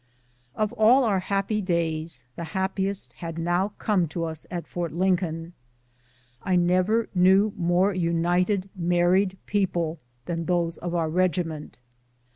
Of all our happy days, the happiest had now come to us at Fort Lincoln. I never knew more united married people than those of our regiment.